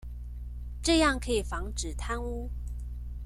這樣可以防止貪污